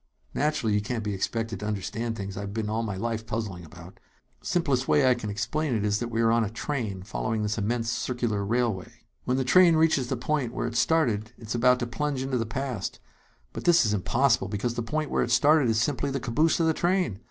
"Naturally you can't be expected to understand things I've been all my life puzzling about. Simplest way I can explain it is that we are on a train following this immense circular railway. "When the train reaches the point where it started, it is about to plunge into the past; but this is impossible, because the point where it started is simply the caboose of the train!